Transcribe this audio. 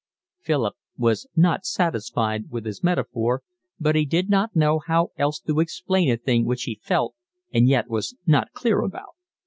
Philip was not satisfied with his metaphor, but he did not know how else to explain a thing which he felt and yet was not clear about.